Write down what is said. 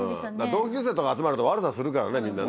同級生とか集まると悪さするからねみんなね。